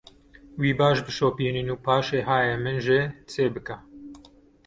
Wî baş bişopînin û paşê hayê min jê çêbike.